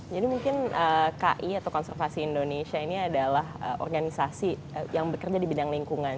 jadi mungkin ki atau konservasi indonesia ini adalah organisasi yang bekerja di bidang lingkungan